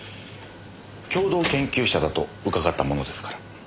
共同研究者だと伺ったものですから。